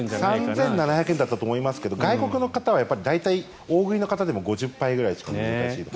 ３７００円だったと思いますが外国の方は大食いの方でも５０杯ぐらいしか難しいと。